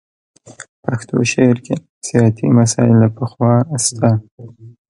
پښتو شعر کې نفسیاتي مسایل له پخوا شته